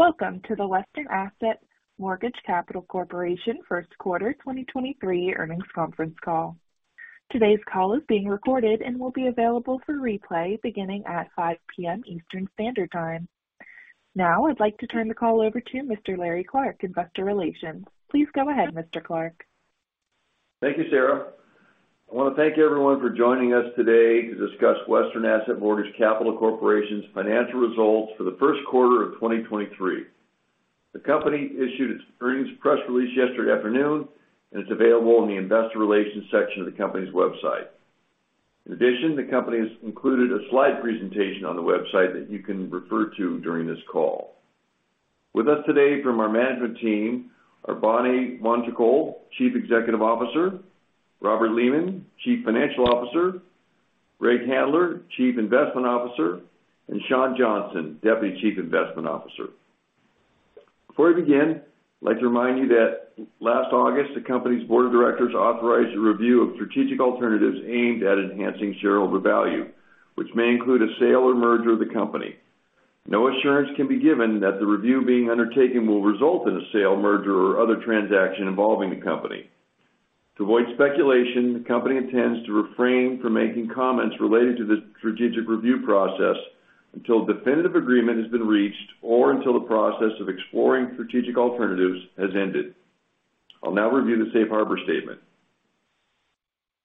Welcome to the Western Asset Mortgage Capital Corporation first quarter 2023 earnings conference call. Today's call is being recorded and will be available for replay beginning at 5:00 P.M. Eastern Standard Time. Now I'd like to turn the call over to Mr. Larry Clark, Investor Relations. Please go ahead, Mr. Clark. Thank you, Sarah. I want to thank everyone for joining us today to discuss Western Asset Mortgage Capital Corporation's financial results for the first quarter of 2023. The company issued its earnings press release yesterday afternoon and it's available in the investor relations section of the company's website. In addition, the company has included a slide presentation on the website that you can refer to during this call. With us today from our management team are Bonnie Wongtrakool, Chief Executive Officer, Robert Lehman, Chief Financial Officer, Greg Handler, Chief Investment Officer, and Sean Johnson, Deputy Chief Investment Officer. Before we begin, I'd like to remind you that last August, the company's board of directors authorized a review of strategic alternatives aimed at enhancing shareholder value, which may include a sale or merger of the company. No assurance can be given that the review being undertaken will result in a sale, merger, or other transaction involving the company. To avoid speculation, the company intends to refrain from making comments related to the strategic review process until definitive agreement has been reached or until the process of exploring strategic alternatives has ended. I'll now review the Safe Harbor statement.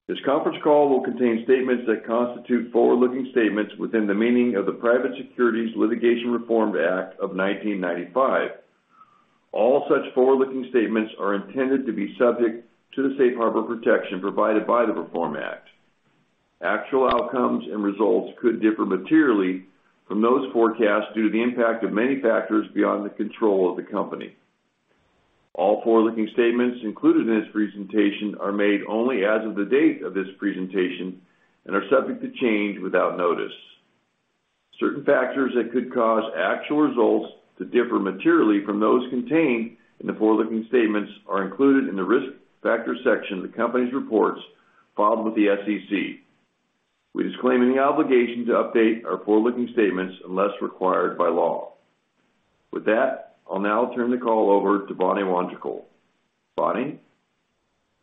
This conference call will contain statements that constitute forward-looking statements within the meaning of the Private Securities Litigation Reform Act of 1995. All such forward-looking statements are intended to be subject to the Safe Harbor protection provided by the Reform Act. Actual outcomes and results could differ materially from those forecasts due to the impact of many factors beyond the control of the company. All forward-looking statements included in this presentation are made only as of the date of this presentation and are subject to change without notice. Certain factors that could cause actual results to differ materially from those contained in the forward-looking statements are included in the Risk Factors section of the company's reports filed with the SEC. We disclaim any obligation to update our forward-looking statements unless required by law. With that, I'll now turn the call over to Bonnie Wongtrakool. Bonnie?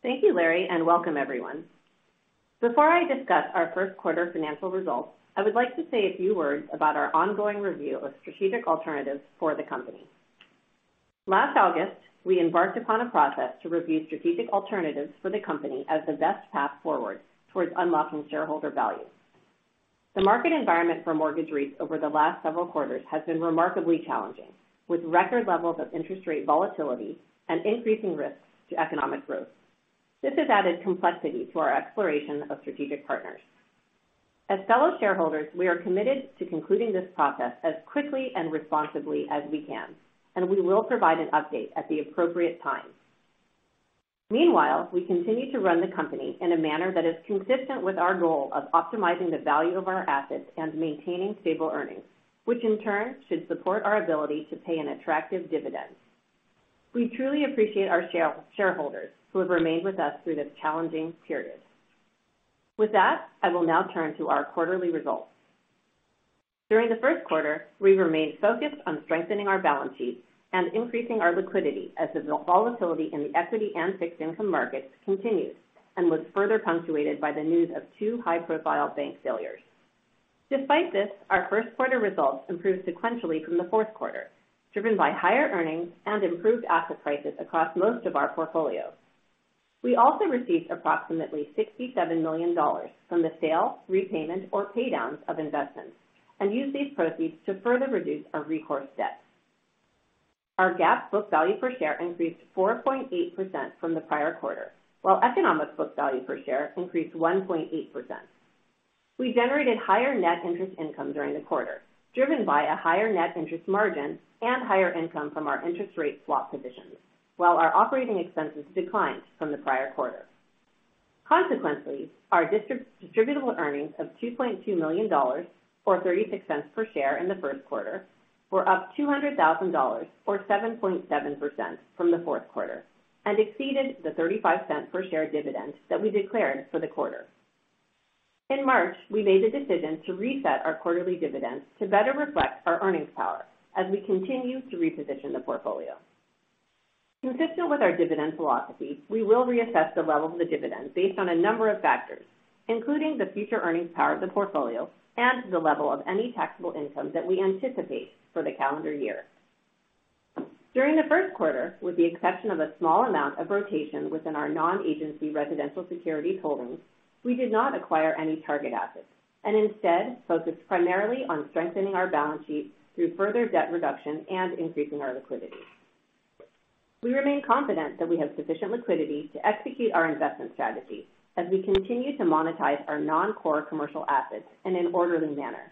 Thank you Larry, and welcome everyone. Before I discuss our first quarter financial results, I would like to say, few words about our ongoing review of strategic alternatives for the company. Last August, we embarked upon a process to review strategic alternatives for the company as the best path forward towards unlocking shareholder value. The market environment for mortgage rates over the last several quarters has been remarkably challenging, with record levels of interest rate volatility and increasing risks to economic growth. This has added complexity to our exploration of strategic partners. As fellow shareholders, we are committed to concluding this process as quickly and responsibly as we can, and we will provide an update at the appropriate time. Meanwhile we continue to run the company in a manner that is consistent with our goal of optimizing the value of our assets and maintaining stable earnings, which in turn should support our ability to pay an attractive dividend. We truly appreciate our shareholders who have remained with us through this challenging period. I will now turn to our quarterly results. During the first quarter, we remained focused on strengthening our balance sheet and increasing our liquidity as the volatility in the equity and fixed income markets continued and was further punctuated by the news of two high-profile bank failures. Despite this, our first quarter results improved sequentially from the fourth quarter, driven by higher earnings and improved asset prices across most of our portfolios. We also received approximately $67 million from the sale, repayment, or paydowns of investments and used these proceeds to further reduce our recourse debt. Our GAAP book value per share increased 4.8% from the prior quarter, while economic book value per share increased 1.8%. We generated higher net interest income during the quarter, driven by a higher net interest margin and higher income from our interest rate swap positions, while our operating expenses declined from the prior quarter. Consequently, our distributable earnings of $2.2 million or $0.36 per share in the first quarter were up $200,000 or 7.7% from the fourth quarter and exceeded the $0.35 per share dividend that we declared for the quarter. In March we made the decision to reset our quarterly dividends to better reflect our earnings power as we continue to reposition the portfolio. Consistent with our dividend philosophy, we will reassess the level of the dividend based on a number of factors, including the future earnings power of the portfolio and the level of any taxable income that we anticipate for the calendar year. During the first quarter, with the exception of a small amount of rotation within our non-agency residential securities holdings, we did not acquire any target assets and instead focused primarily on strengthening our balance sheet through further debt reduction and increasing our liquidity. We remain confident that we have sufficient liquidity to execute our investment strategy as we continue to monetize our non-core commercial assets in an orderly manner.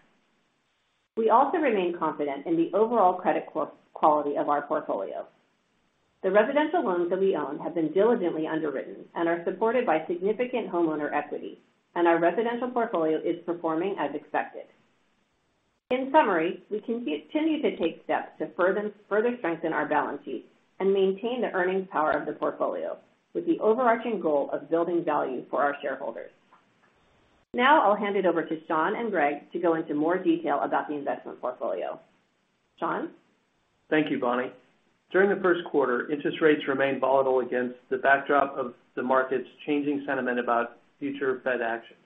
We also remain confident in the overall credit quality of our portfolio. The residential loans that we own have been diligently underwritten and are supported by significant homeowner equity. Our residential portfolio is performing as expected. In summary, we continue to take steps to further strengthen our balance sheet and maintain the earnings power of the portfolio with the overarching goal of building value for our shareholders. Now I'll hand it over to Sean and Greg to go into more detail about the investment portfolio. Sean? Thank you, Bonnie. During the first quarter, interest rates remained volatile against the backdrop of the market's changing sentiment about future Fed actions.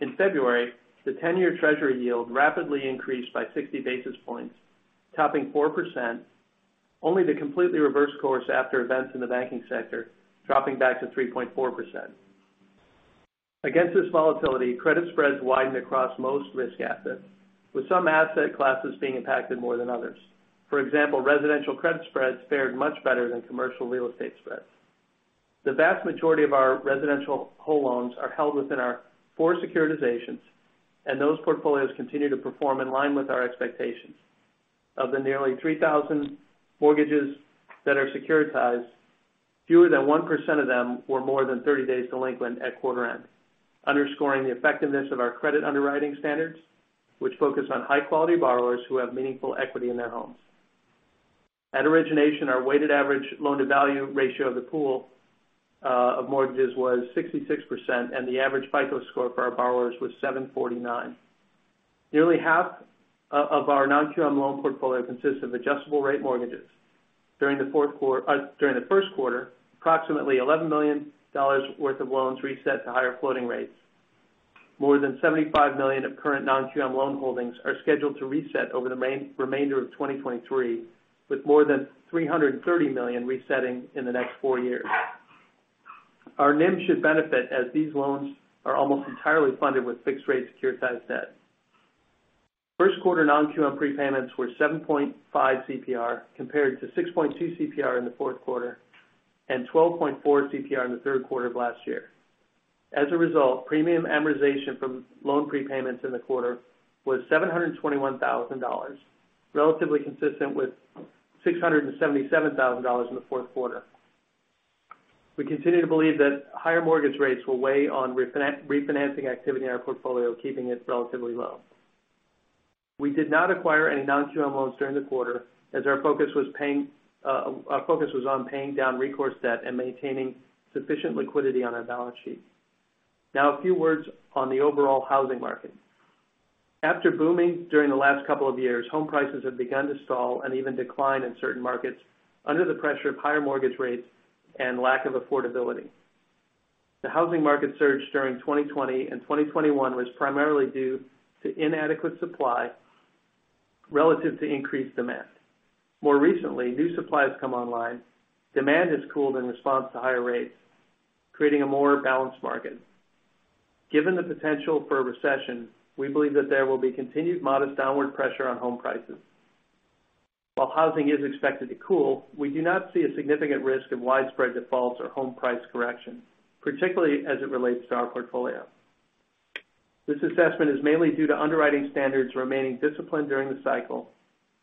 In February, the 10-year treasury yield rapidly increased by 60 basis points, topping 4%, only to completely reverse course after events in the banking sector, dropping back to 3.4%. Against this volatility, credit spreads widened across most risk assets, with some asset classes being impacted more than others. For example, residential credit spreads fared much better than commercial real estate spreads. The vast majority of our residential whole loans are held within our four securitizations, and those portfolios continue to perform in line with our expectations. Of the nearly 3,000 mortgages that are securitized, fewer than 1% of them were more than 30 days delinquent at quarter end underscoring the effectiveness of our credit underwriting standards, which focus on high-quality borrowers who have meaningful equity in their homes. At origination, our weighted average loan-to-value ratio of the pool of mortgages was 66%, and the average FICO score for our borrowers was 749. Nearly half of our non-QM loan portfolio consists of adjustable rate mortgages. During the first quarter, approximately $11 million worth of loans reset to higher floating rates. More than $75 million of current non-QM loan holdings are scheduled to reset over the remainder of 2023, with more than $330 million resetting in the next 4 years. Our NIM should benefit as these loans are almost entirely funded with fixed rate securitized debt. First quarter non-QM prepayments were 7.5 CPR compared to 6.2 CPR in the fourth quarter and 12.4 CPR in the third quarter of last year. As a result, premium amortization from loan prepayments in the quarter was $721,000, relatively consistent with $677,000 in the fourth quarter. We continue to believe that higher mortgage rates will weigh on refinancing activity in our portfolio, keeping it relatively low. We did not acquire any non-QM loans during the quarter as our focus was on paying down recourse debt and maintaining sufficient liquidity on our balance sheet. Now a few words on the overall housing market. After booming during the last couple of years, home prices have begun to stall and even decline in certain markets under the pressure of higher mortgage rates and lack of affordability. The housing market surge during 2020 and 2021 was primarily due to inadequate supply relative to increased demand. More recently, new supply has come online. Demand has cooled in response to higher rates, creating a more balanced market. Given the potential for a recession, we believe that there will be continued modest downward pressure on home prices. While housing is expected to cool, we do not see a significant risk of widespread defaults or home price correction, particularly as it relates to our portfolio. This assessment is mainly due to underwriting standards remaining disciplined during the cycle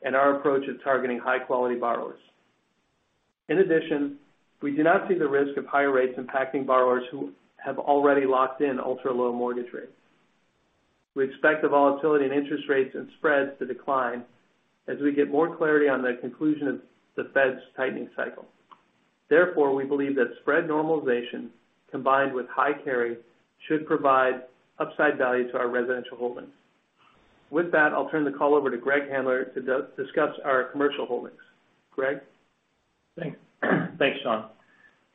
and our approach of targeting high-quality borrowers. In addition we do not see the risk of higher rates impacting borrowers who have already locked in ultra-low mortgage rates. We expect the volatility in interest rates and spreads to decline as we get more clarity on the conclusion of the Fed's tightening cycle. We believe that spread normalization combined with high carry should provide upside value to our residential holdings. With that, I'll turn the call over to Greg Handler to discuss our commercial holdings. Greg? Thanks. Thanks, Sean.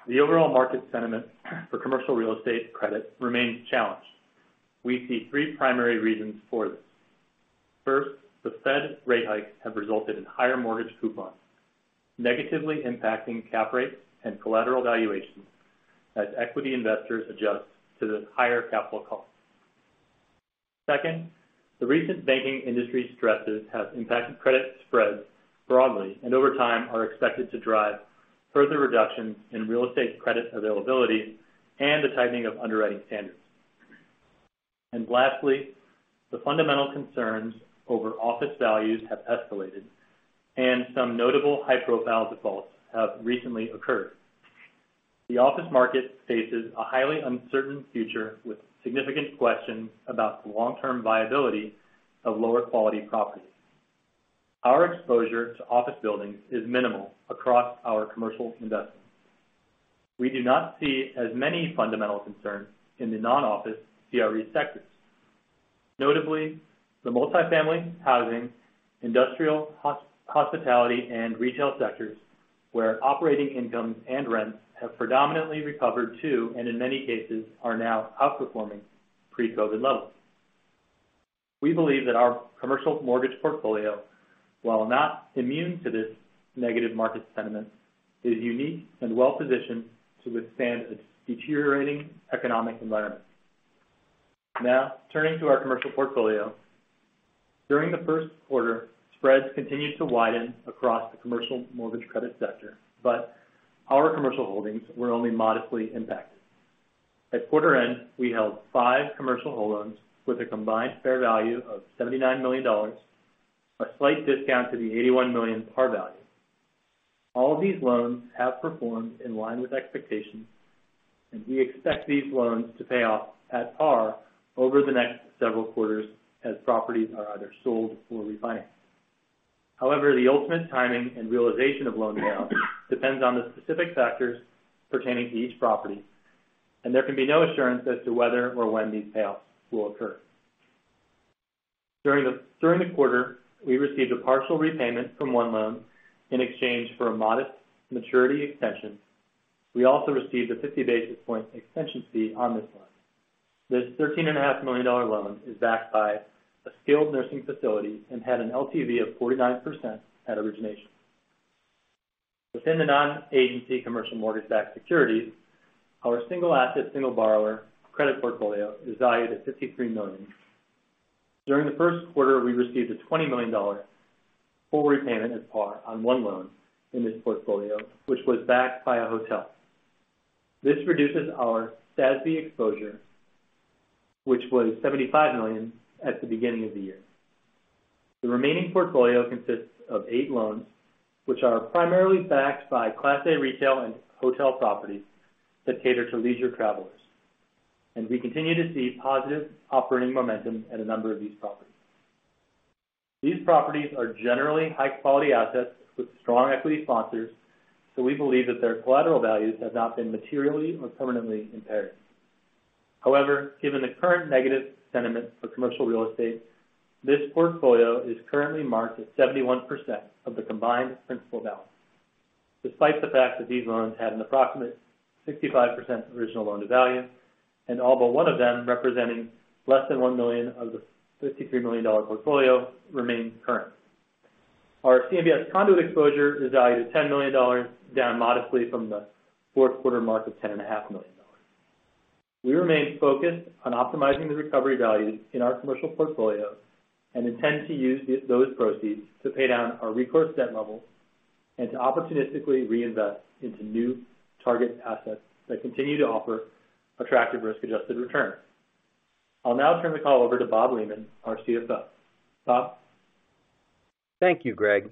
The overall market sentiment for commercial real estate credit remains challenged. We see three primary reasons for this. First, the Fed rate hikes have resulted in higher mortgage coupons negatively impacting cap rates and collateral valuations as equity investors adjust to the higher capital costs. Second, the recent banking industry stresses have impacted credit spreads broadly and over time are expected to drive further reductions in real estate credit availability and a tightening of underwriting standards. Lastly, the fundamental concerns over office values have escalated and some notable high-profile defaults have recently occurred. The office market faces a highly uncertain future with significant questions about the long-term viability of lower quality properties. Our exposure to office buildings is minimal across our commercial investments. We do not see as many fundamental concerns in the non-office CRE sectors. Notably, the multifamily housing, industrial, hospitality, and retail sectors, where operating incomes and rents have predominantly recovered to, and in many cases are now outperforming pre-COVID levels. We believe that our commercial mortgage portfolio, while not immune to this negative market sentiment, is unique and well-positioned to withstand a deteriorating economic environment. Turning to our commercial portfolio. During the first quarter, spreads continued to widen across the commercial mortgage credit sector, but our commercial holdings were only modestly impacted. At quarter end we held five commercial whole loans with a combined fair value of $79 million, a slight discount to the $81 million par value. All of these loans have performed in line with expectations, and we expect these loans to pay off at par over the next several quarters as properties are either sold or refinanced. However the ultimate timing and realization of loan payouts depends on the specific factors pertaining to each property and there can be no assurance as to whether or when these payouts will occur. During the quarter we received a partial repayment from one loan in exchange for a modest maturity extension. We also received a 50 basis point extension fee on this loan. This $13 and a half million dollar loan is backed by a skilled nursing facility and had an LTV of 49% at origination. Within the non-agency commercial mortgage-backed securities, our single asset, single borrower credit portfolio is valued at $53 million. During the first quarter, we received a $20 million full repayment at par on one loan in this portfolio, which was backed by a hotel. This reduces our SASB exposure, which was $75 million at the beginning of the year. The remaining portfolio consists of eight loans, which are primarily backed by Class A retail and hotel properties that cater to leisure travelers. We continue to see positive operating momentum at a number of these properties. These properties are generally high quality assets with strong equity sponsors, we believe that their collateral values have not been materially or permanently impaired. However, given the current negative sentiment for commercial real estate, this portfolio is currently marked at 71% of the combined principal balance, despite the fact that these loans had an approximate 65% original loan-to-value and all but one of them representing less than $1 million of the $53 million portfolio remains current. Our CMBS conduit exposure is valued at $10 million, down modestly from the fourth quarter mark of $10.5 million. We remain focused on optimizing the recovery value in our commercial portfolio and intend to use those proceeds to pay down our recourse debt levels and to opportunistically reinvest into new target assets that continue to offer attractive risk-adjusted returns. I'll now turn the call over to Bob Lehman, our CFO. Bob? Thank you, Greg.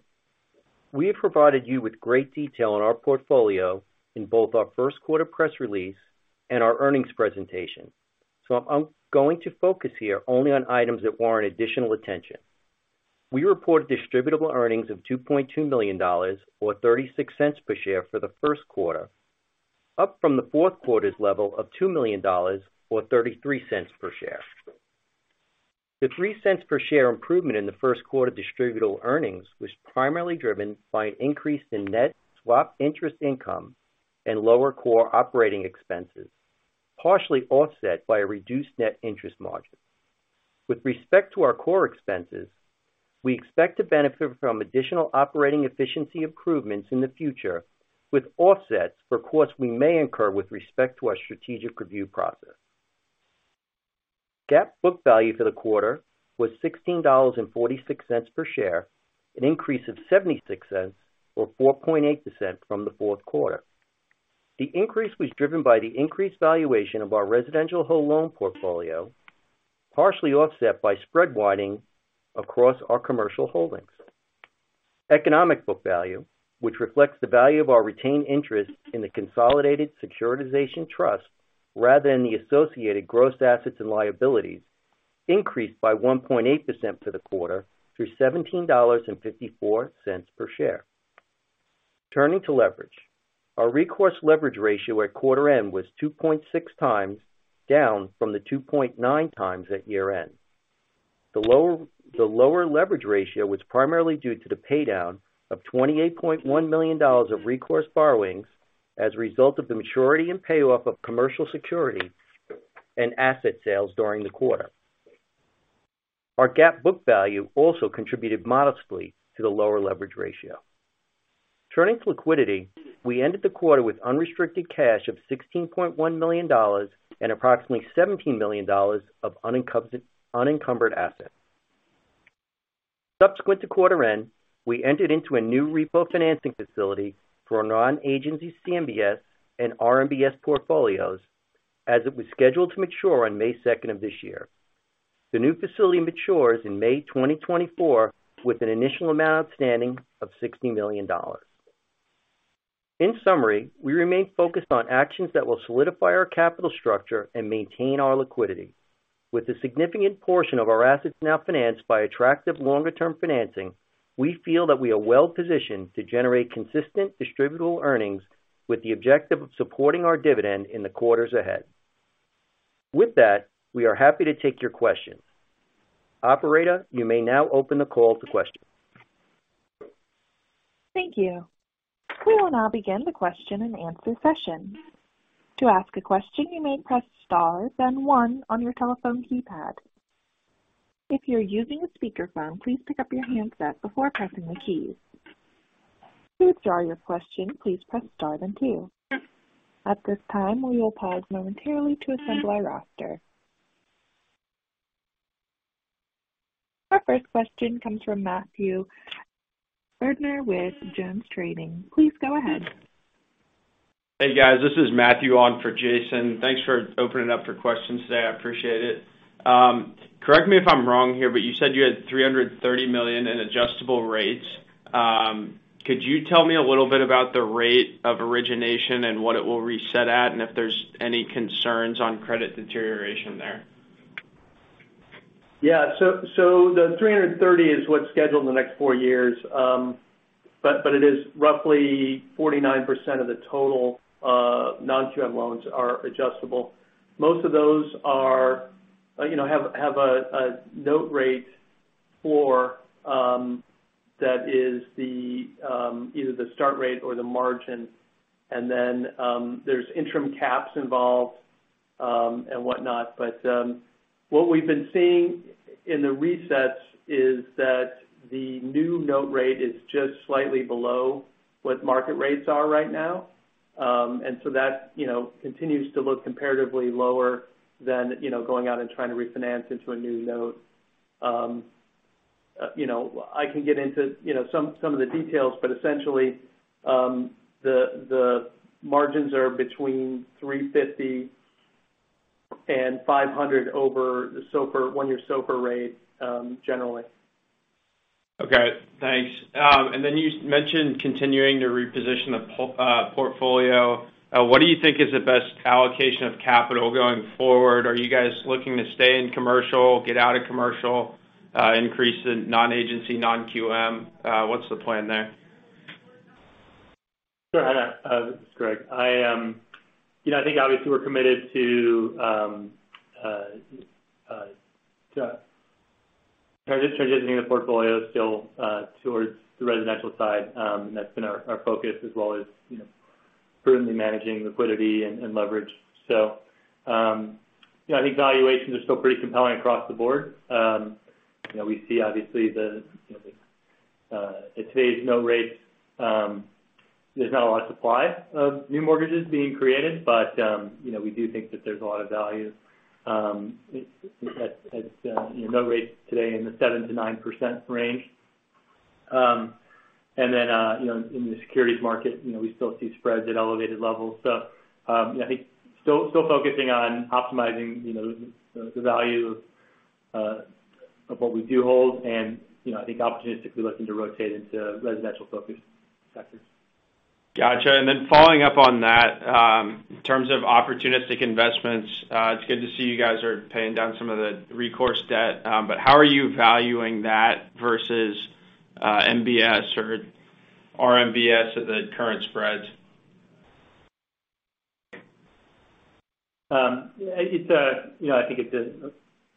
We have provided you with great detail on our portfolio in both our first quarter press release and our earnings presentation. I'm going to focus here only on items that warrant additional attention. We reported distributable earnings of $2.2 million, or $0.36 per share for the first quarter, up from the fourth quarter's level of $2 million or $0.33 per share. The $0.03 per share improvement in the first quarter distributable earnings was primarily driven by an increase in net swap interest income and lower core operating expenses, partially offset by a reduced net interest margin. With respect to our core expenses, we expect to benefit from additional operating efficiency improvements in the future, with offsets for costs we may incur with respect to our strategic review process. GAAP book value for the quarter was $16.46 per share, an increase of $0.76 or 4.8% from the fourth quarter. The increase was driven by the increased valuation of our residential whole loan portfolio, partially offset by spread widening across our commercial holdings. Economic book value, which reflects the value of our retained interest in the consolidated securitization trust rather than the associated gross assets and liabilities, increased by 1.8% for the quarter to $17.54 per share. Turning to leverage. Our recourse leverage ratio at quarter end was 2.6x, down from the 2.9x at year end. The lower leverage ratio was primarily due to the paydown of $28.1 million of recourse borrowings as a result of the maturity and payoff of commercial security and asset sales during the quarter. Our GAAP book value also contributed modestly to the lower leverage ratio. Turning to liquidity, we ended the quarter with unrestricted cash of $16.1 million and approximately $17 million of unencumbered assets. Subsequent to quarter end, we entered into a new repo financing facility for non-agency CMBS and RMBS portfolios as it was scheduled to mature on May 2nd of this year. The new facility matures in May 2024, with an initial amount outstanding of $60 million. In summary we remain focused on actions that will solidify our capital structure and maintain our liquidity. With a significant portion of our assets now financed by attractive longer-term financing, we feel that we are well positioned to generate consistent distributable earnings with the objective of supporting our dividend in the quarters ahead. With that, we are happy to take your questions. Operator, you may now open the call to questions. Thank you. We will now begin the question and answer session. To ask a question, you may press star then one on your telephone keypad. If you're using a speakerphone, please pick up your handset before pressing the keys. To withdraw your question, please press star then two. At this time, we will pause momentarily to assemble our roster. Our first question comes from Matthew Erdner with JonesTrading. Please go ahead. Hey, guys. This is Matthew on for Jason. Thanks for opening up for questions today. I appreciate it. Correct me if I'm wrong here but you said you had $330 million in adjustable rates. Could you tell me a little bit about the rate of origination and what it will reset at, and if there's any concerns on credit deterioration there? Yeah. The $330 million is what's scheduled in the next 4 years. It is roughly 49% of the total non-QM loans are adjustable. Most of those are, you know, have a note rate for that is the either the start rate or the margin. There's interim caps involved and whatnot. What we've been seeing in the resets is that the new note rate is just slightly below what market rates are right now. That, you know, continues to look comparatively lower than, you know, going out and trying to refinance into a new note. You know, I can get into, you know, some of the details, but essentially, the margins are between 350 and 500 over the SOFR, 1-year SOFR rate, generally. Okay, thanks. You mentioned continuing to reposition the portfolio. What do you think is the best allocation of capital going forward? Are you guys looking to stay in commercial, get out of commercial, increase in non-agency, non-QM? What's the plan there? Go ahead, Greg. I, you know, I think obviously we're committed to transitioning the portfolio still towards the residential side. That's been our focus as well as, you know, prudently managing liquidity and leverage. I think valuations are still pretty compelling across the board. You know, we see obviously today's note rates, there's not a lot of supply of new mortgages being created, but, you know, we do think that there's a lot of value at, you know, rates today in the 7%-9% range. You know, in the securities market, you know, we still see spreads at elevated levels. Yeah, I think still focusing on optimizing, you know, the value, of what we do hold and, you know, I think opportunistically looking to rotate into residential-focused sectors. Gotcha. Following up on that, in terms of opportunistic investments, it's good to see you guys are paying down some of the recourse debt, but how are you valuing that versus MBS or RMBS at the current spreads? You know, I think it's a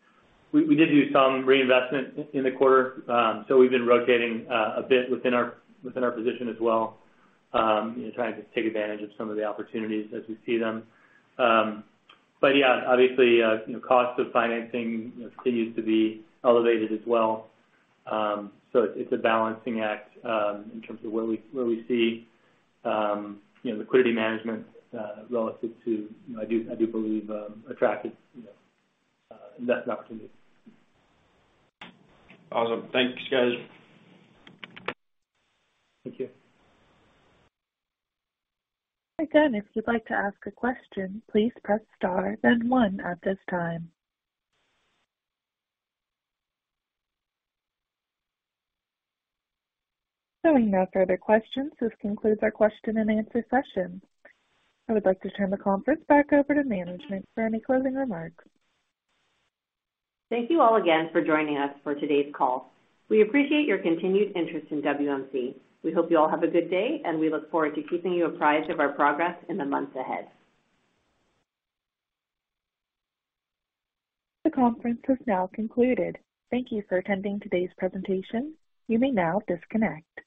- we did do some reinvestment in the quarter. We've been rotating a bit within our position as well, you know, trying to take advantage of some of the opportunities as we see them. Yeah, obviously, you know, cost of financing, you know, continues to be elevated as well. It's a balancing act in terms of where we see, you know, liquidity management relative to, you know, I do believe attractive, you know, investment opportunities. Awesome. Thanks guys. Thank you. Again if you'd like to ask a question, please press star then one at this time. Hearing no further questions, this concludes our question and answer session. I would like to turn the conference back over to management for any closing remarks. Thank you all again for joining us for today's call. We appreciate your continued interest in WMC. We hope you all have a good day. We look forward to keeping you apprised of our progress in the months ahead. The conference has now concluded. Thank you for attending today's presentation. You may now disconnect.